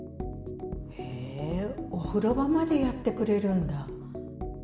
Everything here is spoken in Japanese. へー、お風呂場までやってくれるんだ。